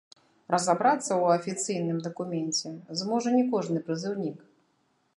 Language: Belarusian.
Разабрацца ў афіцыйным дакуменце зможа не кожны прызыўнік.